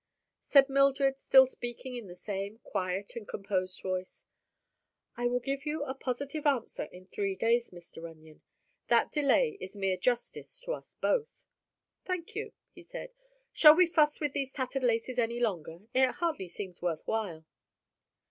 Said Mildred, still speaking in the same quiet and composed voice: "I will give you a positive answer in three days, Mr. Runyon. That delay is mere justice to us both." "Thank you," he said. "Shall we fuss with these tattered laces any longer? It hardly seems worth while."